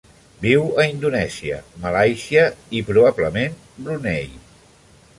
Viu a Indonèsia, Malàisia i, probablement, Brunei.